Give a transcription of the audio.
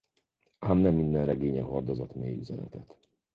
Ám nem minden regénye hordozott mély üzenetet.